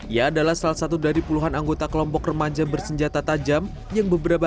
ia adalah salah satu dari puluhan anggota kelompok remaja bersenjata tajam yang beberapa